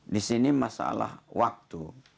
di sini masalah waktu